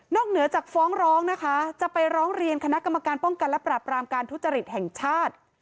เหนือจากฟ้องร้องนะคะจะไปร้องเรียนคณะกรรมการป้องกันและปรับรามการทุจริตแห่งชาติ